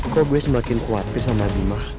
kok gue semakin kuat lagi sama bima